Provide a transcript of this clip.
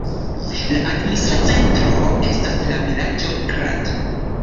La administra centro estas la vilaĝo Grad.